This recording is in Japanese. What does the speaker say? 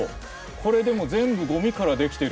これでも全部ごみから出来てる。